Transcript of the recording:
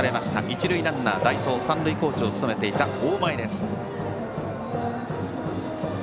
一塁ランナー、代走三塁コーチを務めていた大前です。